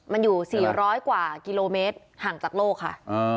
มันอยู่๔๐๐กว่ากิโลเมตรห่างจากโลกค่ะ